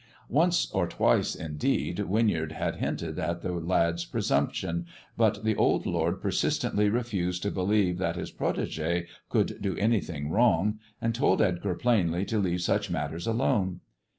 Once or twice, indeed, Winyard had hinted at the lad's presumption, but the old lord persistently refused to believe that his protegi could do anything wrong, and told Edgar plainly to leave such matters alone.